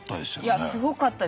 いやすごかったです。